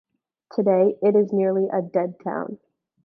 Today it is nearly a dead town.